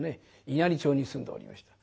稲荷町に住んでおりました。